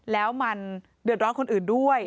แล้วมันเดือดร้อนคนอื่นด้วย